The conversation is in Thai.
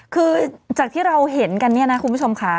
คือจากที่เราเห็นกันเนี่ยนะคุณผู้ชมค่ะ